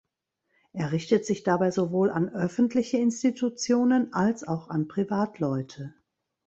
Er richtet sich dabei sowohl an öffentliche Institutionen als auch an Privatleute.